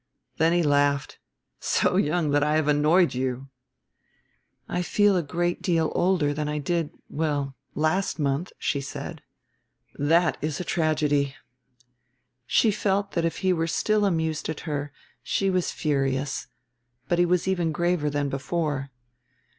Then he laughed, "So young that I have annoyed you." "I feel a great deal older than I did, well last month," she said. "That is a tragedy." She felt that if he were still amused at her she was furious, but he was even graver than before.